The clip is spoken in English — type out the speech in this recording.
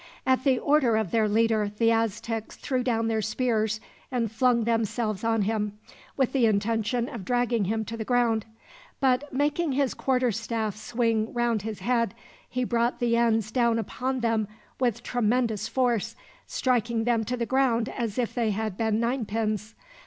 At the order of their leader, the Aztecs threw down their spears and flung themselves on him, with the intention of dragging him to the ground; but making his quarterstaff swing round his head, he brought the ends down upon them with tremendous force, striking them to the ground as if they had been ninepins.